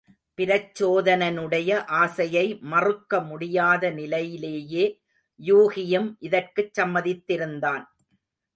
பிரச்சோதனனுடைய ஆசையை மறுக்க முடியாத நிலையிலேயே யூகியும் இதற்குச் சம்மதித்திருந்தான்.